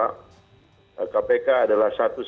kpk adalah sebuah perusahaan yang sangat penting